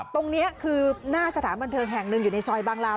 ตรงนี้คือหน้าสถานบันเทิงแห่งหนึ่งอยู่ในซอยบางลาว